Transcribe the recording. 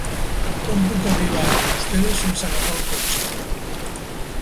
Com puc arribar a Llagostera sense agafar el cotxe?